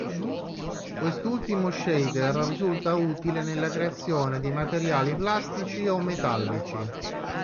Quest'ultimo shader risulta utile nella creazione di materiali plastici o metallici.